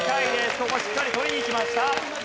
ここしっかり取りにいきました。